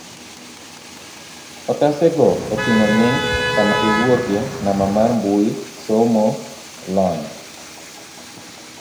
otase go oting'o nying, kama iwuokye, namba mar mbui, somo, lony